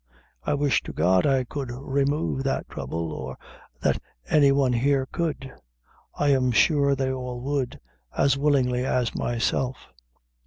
I wish to God I could remove that trouble, or that any one here could! I am sure they all would, as willingly as myself."